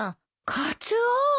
カツオ。